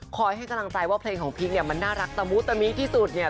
ให้กำลังใจว่าเพลงของพีคเนี่ยมันน่ารักตะมุตะมิที่สุดเนี่ย